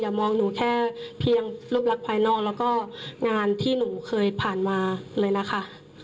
มองหนูแค่เพียงรูปลักษณ์ภายนอกแล้วก็งานที่หนูเคยผ่านมาเลยนะคะ